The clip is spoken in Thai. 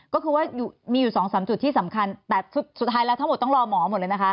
ก็คือว่ามีอยู่๒๓จุดที่สำคัญแต่สุดท้ายแล้วทั้งหมดต้องรอหมอหมดเลยนะคะ